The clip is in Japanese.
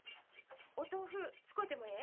お豆腐使うてもええ？